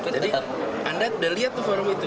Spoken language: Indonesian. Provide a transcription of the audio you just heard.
jadi anda sudah lihat tuh form itu